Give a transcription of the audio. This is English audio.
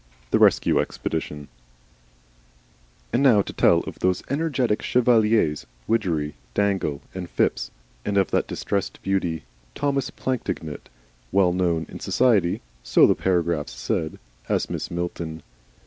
THE RESCUE EXPEDITION And now to tell of those energetic chevaliers, Widgery, Dangle, and Phipps, and of that distressed beauty, 'Thomas Plantagenet,' well known in society, so the paragraphs said, as Mrs. Milton.